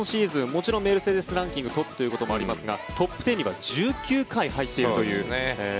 もちろんメルセデス・ランキングトップということもありますがトップ１０には１９回入っているという。